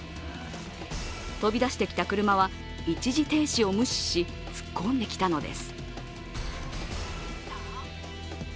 飛び出してきた車は一時停止を無視し、突っ込んできたのです。